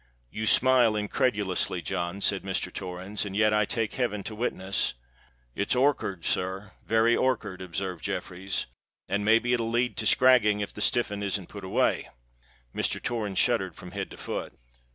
"You smile incredulously, John," said Mr. Torrens; "and yet I take heaven to witness——" "It's orkard, sir—very orkard," observed Jeffreys; "and may be it'll lead to scragging, if the stiff'un isn't put away." Mr. Torrens shuddered from head to foot.